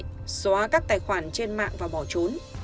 nghĩa đã bắt các tài khoản trên mạng và bỏ trốn